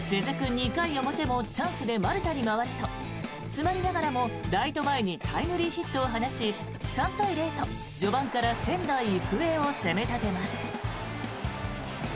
２回表もチャンスで丸田に回ると詰まりながらも、ライト前にタイムリーヒットを放ち３対０と序盤から仙台育英を攻め立てます。